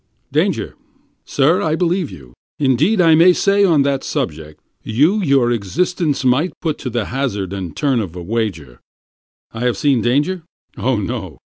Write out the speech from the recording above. "Danger! Sir, I believe you, indeed, I may say on that subject, You your existence might put to the hazard and turn of a wager. I have seen danger? Oh, no!